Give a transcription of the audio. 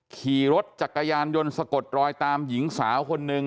ขี่รถจักรยานยนต์สะกดรอยตามหญิงสาวคนหนึ่ง